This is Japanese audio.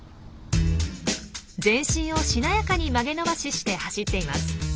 全身をしなやかに曲げ伸ばしして走っています。